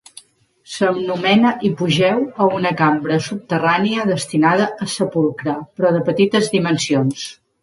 S'anomena hipogeu a una cambra subterrània destinada a sepulcre però de petites dimensions.